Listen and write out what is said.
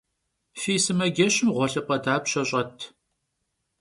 Fi sımaceşım ğuelhıp'e dapşe ş'et?